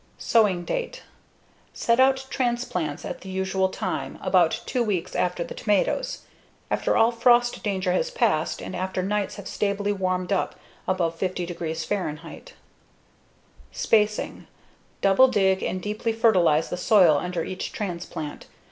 Sowing date: Set out transplants at the usual time, about two weeks after the tomatoes, after all frost danger has passed and after nights have stably warmed up above 50 degree F. Spacing: Double dig and deeply fertilize the soil under each transplant.